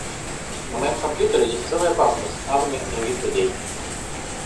На моём компьютере есть целая папка с авами других людей.